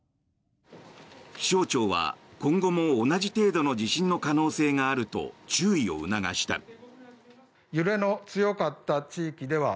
気象庁は、今後も同じ程度の地震の可能性があると注意を促した。